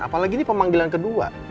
apalagi ini pemanggilan kedua